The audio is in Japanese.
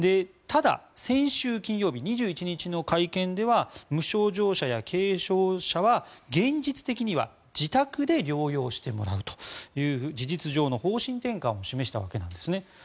ただ、先週金曜日２１日の会見では無症状者や軽症者は現実的には自宅で療養してもらうという事実上の方針転換を示したわけなんです。